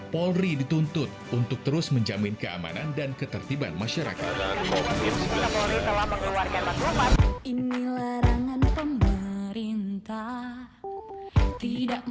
polri dituntut untuk terus menjamin keamanan dan ketertiban masyarakat